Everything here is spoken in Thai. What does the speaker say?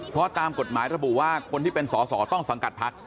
เพราะตามกฎหมายระบุว่าคนที่เป็นสอสอต้องสังกัดพัก